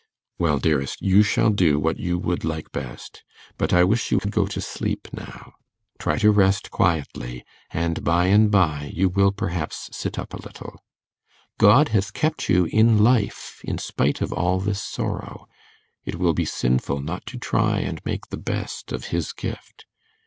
'Well, dearest, you shall do what you would like best. But I wish you could go to sleep now. Try to rest quietly, and by and by you will perhaps sit up a little. God has kept you in life in spite of all this sorrow; it will be sinful not to try and make the best of His gift.